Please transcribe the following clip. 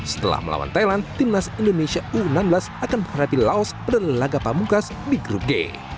setelah melawan thailand timnas indonesia u enam belas akan menghadapi laos pada laga pamungkas di grup g